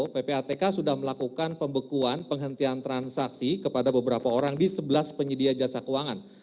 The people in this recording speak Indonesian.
ppatk sudah melakukan pembekuan penghentian transaksi kepada beberapa orang di sebelah penyedia jasa keuangan